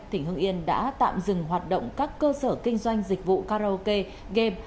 thỉnh hương yên đã tạm dừng hoạt động các cơ sở kinh doanh dịch vụ karaoke game